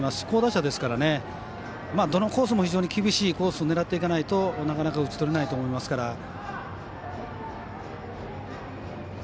好打者ですから、どのコースも非常に厳しいコースを狙っていかないとなかなか打ち取れないと思いますから。